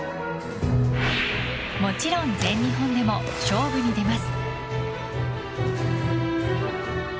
もちろん全日本でも勝負に出ます。